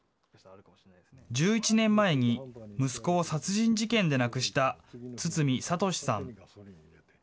１１年前に、息子を殺人事件で亡くした堤敏さん。